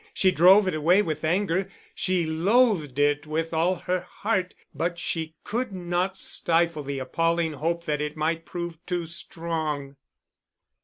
She drove it away with anger, she loathed it with all her heart but she could not stifle the appalling hope that it might prove too strong.